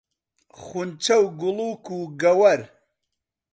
خونچە و گوڵووک و گەوەر